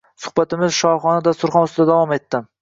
Suhbatimiz shoxona dasturxon ustida davom etdi.